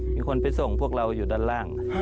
มีคนไปส่งพวกเราอยู่ด้านล่าง